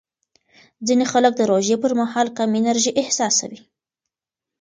ځینې خلک د روژې پر مهال کم انرژي احساسوي.